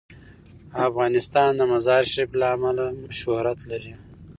افغانستان د مزارشریف له امله شهرت لري.